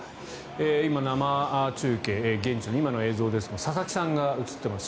今、生中継現地の今の映像ですが佐々木さんが映っています。